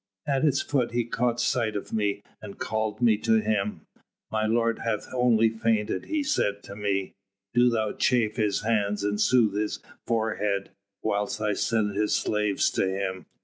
At its foot he caught sight of me, and called me to him: 'My lord hath only fainted,' he said to me; 'do thou chafe his hands and soothe his forehead, whilst I send his slaves to him.'